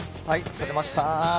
釣れました。